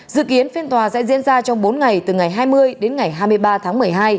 dự kiến phiên tòa sẽ diễn ra trong bốn ngày từ ngày hai mươi đến ngày hai mươi ba tháng một mươi hai